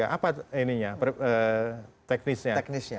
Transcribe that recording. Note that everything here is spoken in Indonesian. apa ininya teknisnya